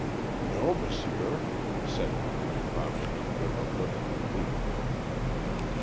"No, monsieur," said Marie promptly, and with a look of relief.